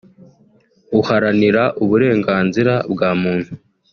Uharanira uburenganzira bwa muntu